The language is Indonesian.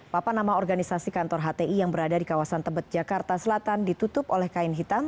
papan nama organisasi kantor hti yang berada di kawasan tebet jakarta selatan ditutup oleh kain hitam